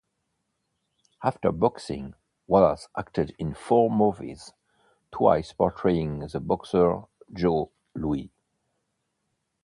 After boxing, Wallace acted in four movies, twice portraying the boxer Joe Louis.